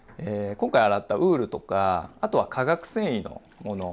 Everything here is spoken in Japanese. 今回洗ったウールとかあとは化学繊維の物